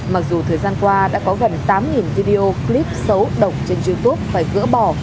mặc dù thời gian qua đã có gần tám video clip xấu độc trên youtube phải gỡ bỏ